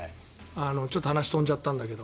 ちょっと話が飛んじゃったんだけど。